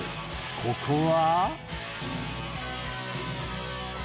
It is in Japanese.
ここは。